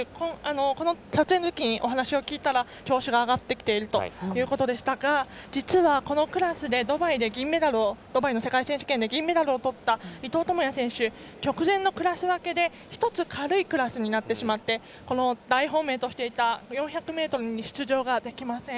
この撮影の日に聞いたら調子が上がってきているということでしたが実は、このクラスでドバイの世界選手権で銀メダルをとった伊藤智也選手直前のクラス分けで１つ軽いクラスになってしまってこの大本命としていた４００ｍに出場ができません。